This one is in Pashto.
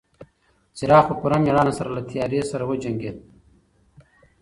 څراغ په پوره مېړانه سره له تیارې سره وجنګېد.